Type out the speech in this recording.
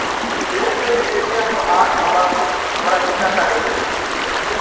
تمي تمري ٻيتايا ڪو هآت هماڪوٚ هرآ تآڻيٚ ديئو۔